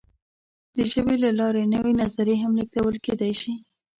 د ژبې له لارې نوې نظریې هم لېږدول کېدی شي.